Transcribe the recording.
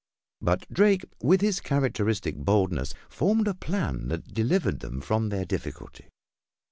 But Drake, with his characteristic boldness, formed a plan that delivered them from their difficulty.